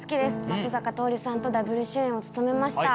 松坂桃李さんとＷ主演を務めました。